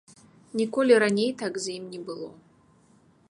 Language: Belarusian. Ніколі раней так з ім не было.